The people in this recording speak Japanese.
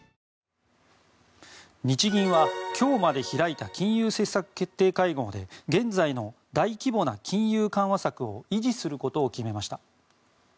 日銀は今日まで開いた金融政策決定会合で現在の大規模な金融緩和策を維持することを決めました。